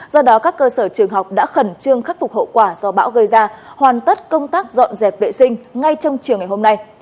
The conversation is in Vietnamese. do đó các cơ sở trường học đã khẩn trương khắc phục hậu quả do bão gây ra hoàn tất công tác dọn dẹp vệ sinh ngay trong chiều ngày hôm nay